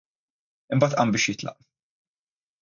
Imbagħad qam biex jitlaq.